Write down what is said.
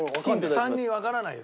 ３人わからないよ。